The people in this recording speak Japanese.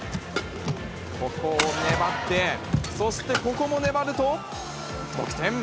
ここを粘って、そして、ここも粘ると、得点。